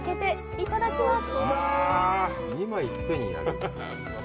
いただきます。